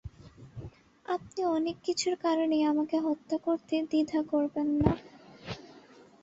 আপনি অনেক কিছুর কারণেই আমাকে হত্যা করতে দ্বিধা করবেন না।